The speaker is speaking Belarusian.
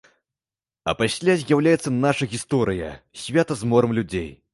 А пасля з'яўляецца наша гісторыя, свята з морам людзей.